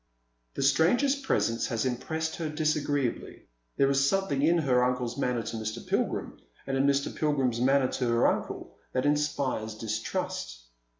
The stranger's presence has impressed her disagreeably. There is something in her uncle's manner to Mr. Pilgrim, and in Mr. Pilgrim's manner to her uncle, that inspires distrust.